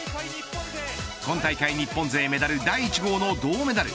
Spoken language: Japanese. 今大会日本勢メダル第１号の銅メダル。